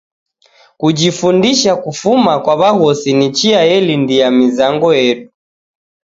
Kujifundisha kufuma kwa w'aghosi ni chia yelindia mizango yedu.